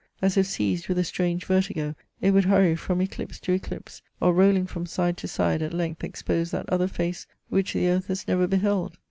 As if seized with a strange vertigo it would hurry from eclipse to eclipse, or, rolling from side to side, at length expose that other face which the earth has never beheld.